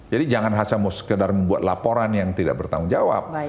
jadi jangan hanya sekedar membuat laporan yang tidak bertanggung jawab